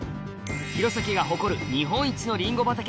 弘前が誇る日本一のリンゴ畑